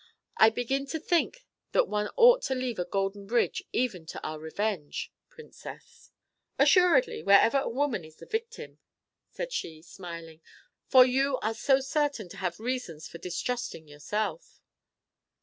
"I begin to think that one ought to leave a golden bridge even to our revenge, Princess." "Assuredly, wherever a woman is the victim," said she, smiling; "for you are so certain to have reasons for distrusting yourself."